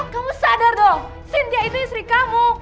kamu sadar dong sinja itu istri kamu